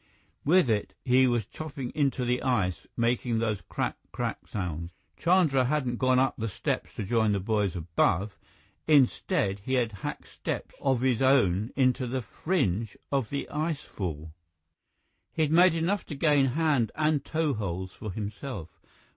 With it, he was chopping into the ice, making those "Crack crack " sounds. Chandra hadn't gone up the steps to join the boys above. Instead, he had hacked steps of his own into the fringe of the icefall! He'd made enough to gain hand and toeholds for himself.